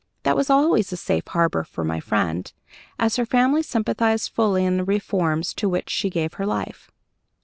That was always a safe harbor for my friend, as her family sympathized fully in the reforms to which she gave her life.